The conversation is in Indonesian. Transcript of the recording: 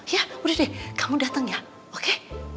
ya udah deh kamu datang ya oke